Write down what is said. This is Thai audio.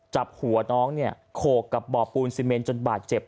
จับหัวน้องเนี่ยโขกกับบ่อปูนซีเมนจนบาดเจ็บ